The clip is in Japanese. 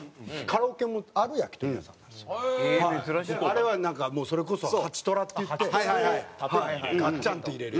あれはなんかもうそれこそ８トラっていってガチャンって入れる。